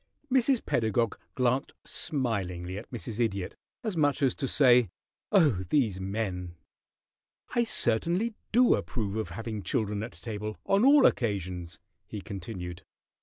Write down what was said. Mrs. Pedagog glanced smilingly at Mrs. Idiot, as much as to say, "Oh, these men!" "I certainly do approve of having children at table on all occasions," he continued.